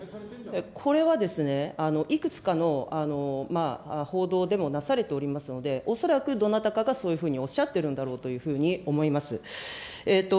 これはですね、いくつかの報道でもなされておりますので、恐らくどなたかがそうおっしゃってるんだろうというふうに思います。